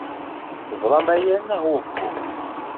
Teẓram aya, neɣ uhu?